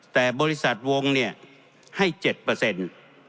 แต่บริษัทวงศ์ให้๗เปอร์เซ็นต์